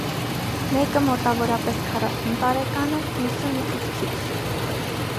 Մեկը մոտավորապես քառասուն տարեկան է, մյուսը մի քիչ քիչ։